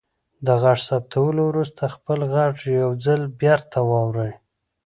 د غږ ثبتولو وروسته خپل غږ یو ځل بیرته واورئ.